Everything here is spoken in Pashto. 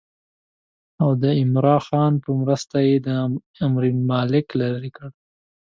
او د عمرا خان په مرسته یې امیرالملک لرې کړ.